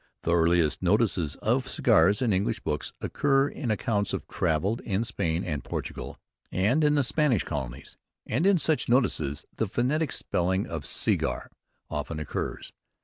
The earliest notices of cigars in English books occur in accounts of travel in Spain and Portugal, and in the Spanish Colonies, and in such notices the phonetic spelling of "segar" often occurs.